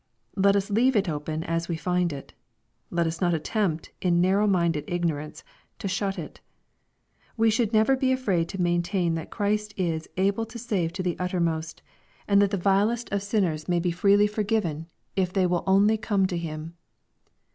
Let us leave it open as we find it Let us not attempt in narrow minded ignorance, to shul it. We should never be afraid to maintain that Christ is " able to save to the uttermost," and that the vilest of LUKE, CHAP. XIX. 29J Binuers maj be freely forgiven if they will only come to Him.